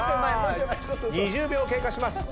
２０秒経過します。